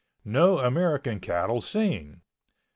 No American cattle seen.